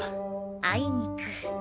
あいにく。